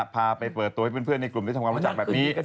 พาไปเปิดตัวให้เพื่อนในกลุ่มได้ทำความรู้จักแบบนี้